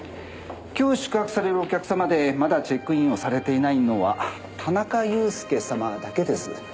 今日宿泊されるお客様でまだチェックインをされていないのは田中裕介様だけです。